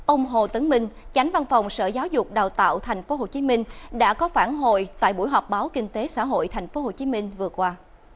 ông hồ tấn minh chánh văn phòng sở giáo dục đào tạo tp hcm đã có phản hồi tại buổi họp báo kinh tế xã hội tp hcm vừa qua